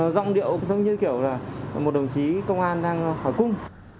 rọng điệu giống như kiểu là một đồng chí công an đang khỏi cung